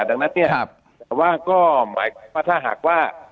แต่หมายถึงว่า